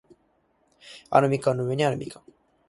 アルミ缶の上にあるみかん